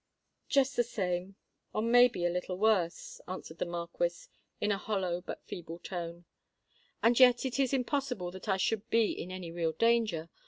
"Just the same—or may be a little worse," answered the Marquis, in a hollow but feeble tone. "And yet it is impossible that I should be in any real danger!